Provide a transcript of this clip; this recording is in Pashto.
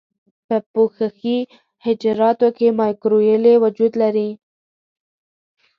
په پوښښي حجراتو کې مایکروویلې وجود لري.